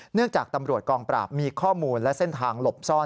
จากตำรวจกองปราบมีข้อมูลและเส้นทางหลบซ่อน